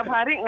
nah s tiga ini